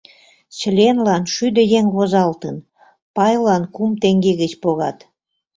Членлан шӱдӧ еҥ возалтын, пайлан кум теҥге гыч погат.